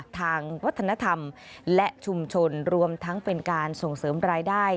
ทางวัฒนธรรมและชุมชนรวมทั้งเป็นการส่งเสริมรายได้